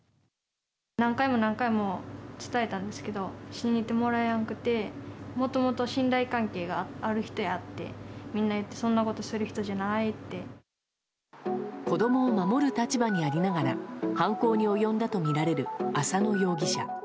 何回も何回も伝えたんですけど、信じてもらえなくて、もともと信頼関係がある人やってみんな言って、子どもを守る立場にありながら、犯行に及んだと見られる浅野容疑者。